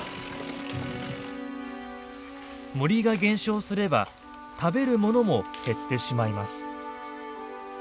森が減少すれば食べるものも減ってしまいます。